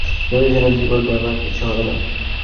ভেবেছিলাম তুই বলবি, আমার কিছু হবে না।